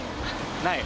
ない。